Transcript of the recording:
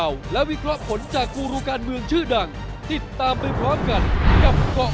ผมไม่มีปัญหาอยู่แล้วครับไม่มีปัญหา